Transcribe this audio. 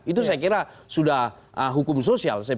itu saya kira sudah hukum sosial